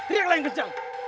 riaklah yang kencang